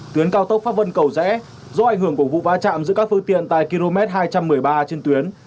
tuyến cao tốc pháp vân cầu rẽ do ảnh hưởng của vụ va chạm giữa các phương tiện tại km hai trăm một mươi ba trên tuyến